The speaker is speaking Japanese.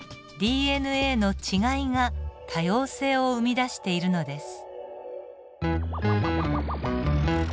ＤＮＡの違いが多様性を生み出しているのです。